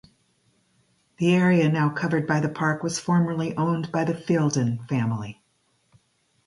The area now covered by the park was formerly owned by the Feilden family.